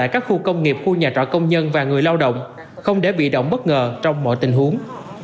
các khu công nghiệp khu nhà trọ công nhân và người lao động không để bị động bất ngờ trong mọi tình huống